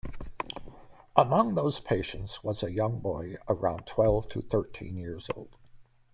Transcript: Among those patients was a young boy around twelve to thirteen years-old.